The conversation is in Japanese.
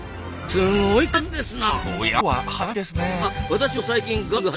すごい数ですな。